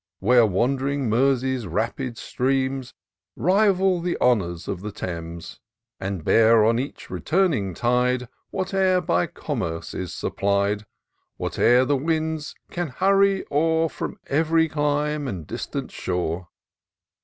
Where wand'ring Mersey's rapid streams Rival the honours of the Thames, And bear, on each returning tide, Whate'er by commerce is supplied, Whate'er the winds can hurry o'er From ev'ry clime and distant shore.